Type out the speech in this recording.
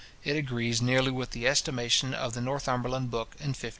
It agrees nearly with the estimation of the Northumberland book in 1512.